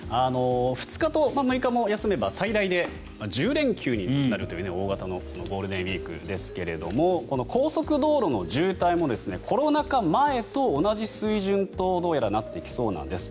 ２日と６日も休めば最大で１０連休になるという大型のゴールデンウィークですがこの高速道路の渋滞もコロナ禍前と同じ水準とどうやらなってきそうなんです。